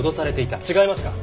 違いますか？